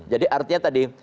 jadi artinya tadi